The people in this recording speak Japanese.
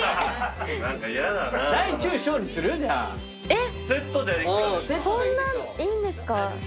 えっそんないいんですか？